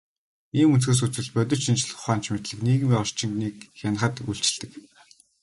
Ийм өнцгөөс үзвэл, бодит шинжлэх ухаанч мэдлэг нийгмийн орчныг хянахад үйлчилдэг.